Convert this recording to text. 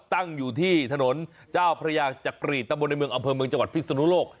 ตั้งอยู่ที่ถนนเจ้าพระยาจักรีตะบนในเมืองอำเภอเมืองจังหวัดพิศนุโลก